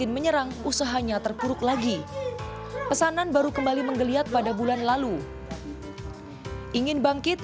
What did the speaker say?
menyerang usahanya terpuruk lagi pesanan baru kembali menggeliat pada bulan lalu ingin bangkit